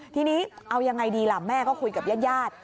ทีนี้เอายังไงดีล่ะแม่ก็คุยกับญาติ